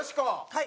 はい。